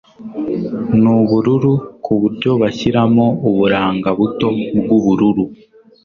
nubururu kuburyo bashyiramo uburanga buto bwubururu